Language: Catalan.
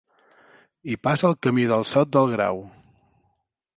Hi passa el Camí del Sot del Grau.